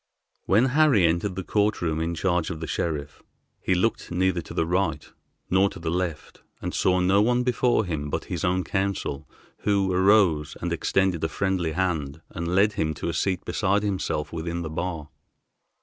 When Harry entered the court room in charge of the sheriff, he looked neither to the right nor to the left, and saw no one before him but his own counsel, who arose and extended a friendly hand, and led him to a seat beside himself within the bar.